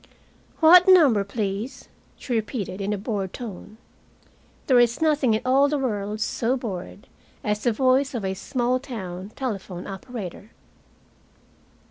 "What number, please?" she repeated, in a bored tone. There is nothing in all the world so bored as the voice of a small town telephone operator.